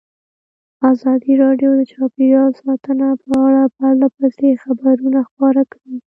ازادي راډیو د چاپیریال ساتنه په اړه پرله پسې خبرونه خپاره کړي.